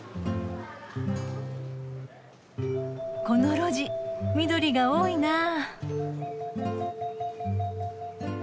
この路地緑が多いな。